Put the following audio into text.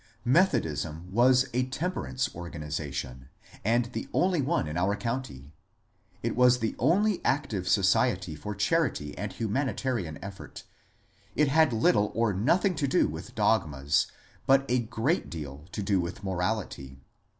Methodism was a temperance organization, and the only one in our county ; it was the only active society for charity and humanitarian effort; it had little or nothing to do with dogmas, but a great deal to do with morality.